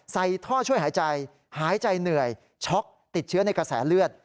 ท่อช่วยหายใจหายใจเหนื่อยช็อกติดเชื้อในกระแสเลือด